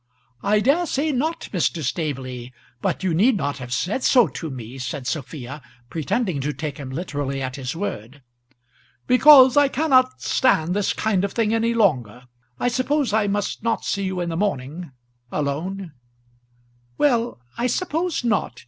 "I dare say not, Mr. Staveley; but you need not have said so to me," said Sophia, pretending to take him literally at his word. "Because I cannot stand this kind of thing any longer. I suppose I must not see you in the morning, alone?" "Well, I suppose not.